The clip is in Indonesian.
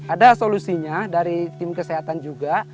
ada solusinya dari tim kesehatan juga